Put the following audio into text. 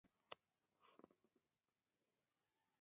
زما د خبرو څخه د حلاوت خواږه ټولوي